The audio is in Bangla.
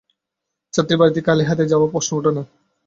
ছাত্রীর বাড়িতে খালি হাতে যাওয়ার প্রশ্ন ওঠে না।